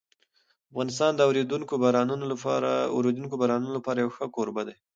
افغانستان د اورېدونکو بارانونو لپاره یو ښه کوربه دی.